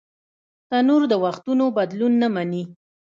تنور د وختونو بدلون نهمني